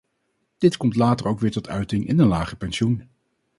Dit komt later ook weer tot uiting in een lager pensioen.